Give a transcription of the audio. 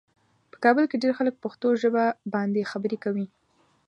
په کابل کې ډېر خلک پښتو ژبه باندې خبرې کوي.